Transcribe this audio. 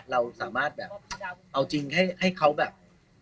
เราสามารถแบบเอาจริงให้เขาแบบ